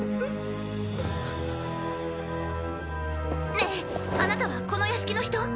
ねえあなたはこの屋敷の人？